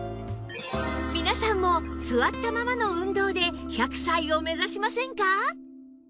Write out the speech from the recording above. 皆さんも座ったままの運動で１００歳を目指しませんか？